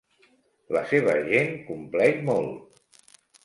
La seva gent compleix molt.